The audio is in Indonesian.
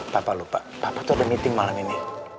papa lupa apa tuh ada meeting malam ini